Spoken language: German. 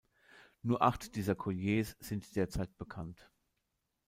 Nur acht dieser Colliers sind derzeit bekannt.